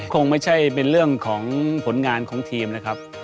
คงไม่ใช่เป็นเรื่องของผลงานของทีมนะครับ